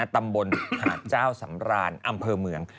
ตำบลหาดเจ้าสำรานอำเภอเมือง